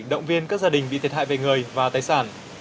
động viên các gia đình bị thiệt hại về người và tài sản